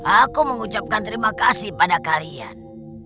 aku mengucapkan terima kasih pada kalian